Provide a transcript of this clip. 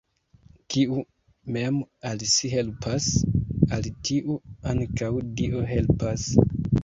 Kiu mem al si helpas, al tiu ankaŭ Dio helpas!